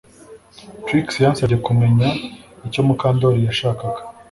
Trix yansabye kumenya icyo Mukandoli yashakaga